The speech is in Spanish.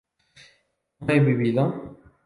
¿no he vivido?